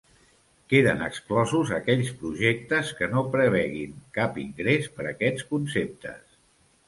Queden exclosos aquells projectes que no prevegin cap ingrés per aquests conceptes.